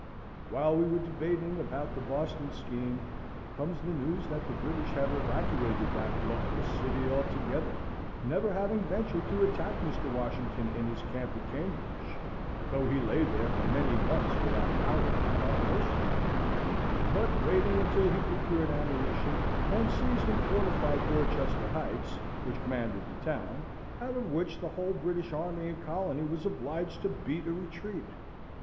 While we were debating about the Boston scheme, comes the news that the British have evacuated that luckless city altogether, never having ventured to attack Mr. Washington in his camp at Cambridge (though he lay there for many months without powder at our mercy); but waiting until he procured ammunition, and seized and fortified Dorchester heights, which commanded the town, out of which the whole British army and colony was obliged to beat a retreat.